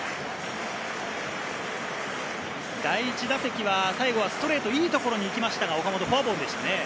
第１打席は最後、ストレートがいい所に行きましたが、岡本はフォアボールでしたね。